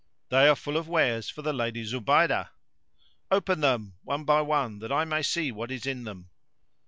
"They are full of wares for the Lady Zubaydah!" "Open them, one by one, that I may see what is in them."